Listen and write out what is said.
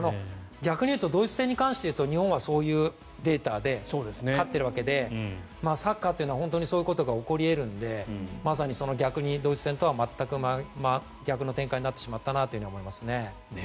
逆にいうとドイツ戦に関していうと日本はそういうデータで勝っているわけでサッカーというのは本当にそういうことが起こり得るのでまさに逆にドイツ戦とは全く真逆の展開になってしまったなと思いますね。